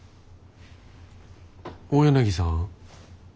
大柳さん。